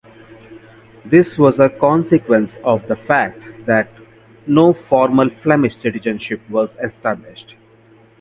This was a consequence of the fact that no formal Flemish citizenship was established.